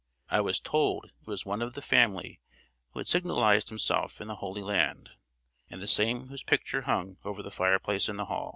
I was told it was one of the family who had signalised himself in the Holy Land, and the same whose picture hung over the fireplace in the hall.